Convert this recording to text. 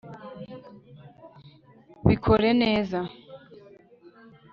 bikore neza